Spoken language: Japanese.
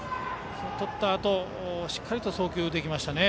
とったあとしっかりと送球できましたね。